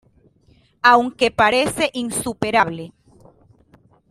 Aunque parece insuperable